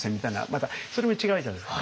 またそれも違うじゃないですか。